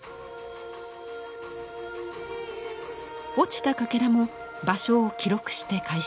落ちたカケラも場所を記録して回収。